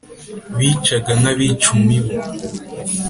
bicaga nk’abica imibu